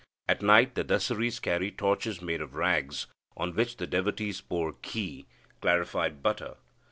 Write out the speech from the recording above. At night the Dasaris carry torches made of rags, on which the devotees pour ghi (clarified butter).